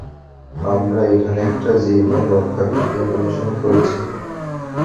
আমরা এখানে একটা জীবন রক্ষাকারী অপারেশন করছি।